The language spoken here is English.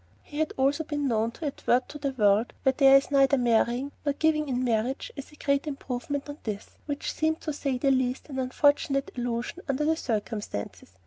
He had also been known to advert to the world where there is neither marrying nor giving in marriage as a great improvement on this, which seemed, to say the least, an unfortunate allusion under the circumstances.